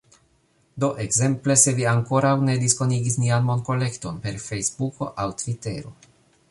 Do ekzemple, se vi ankoraŭ ne diskonigis nian monkolekton per Fejsbuko aŭ Tvitero